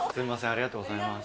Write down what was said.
ありがとうございます。